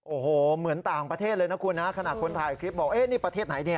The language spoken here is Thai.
โอ้โหเหมือนต่างประเทศเลยนะคุณนะขนาดคนถ่ายคลิปบอกเอ๊ะนี่ประเทศไหนเนี่ย